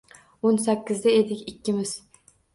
O’n sakkizda edik ikkimiz